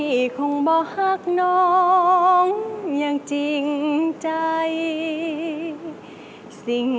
เบ๊กก็ร้องได้ให้อย่างนี้เลย